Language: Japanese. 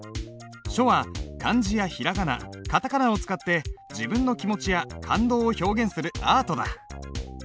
書は漢字や平仮名片仮名を使って自分の気持ちや感動を表現するアートだ。